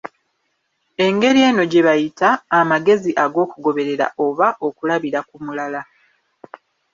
Engeri eno gye bayita: Amagezi ag'okugoberera oba okulabira ku mulala .